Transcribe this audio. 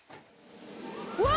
うわ！